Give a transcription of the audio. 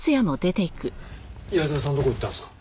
矢沢さんどこ行ったんですか？